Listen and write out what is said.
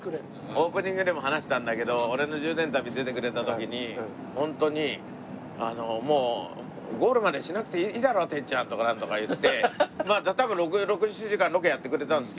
オープニングでも話したんだけど俺のホントにあのもう「ゴールまでしなくていいだろてっちゃん」とかなんとか言って多分６７時間ロケやってくれたんですけど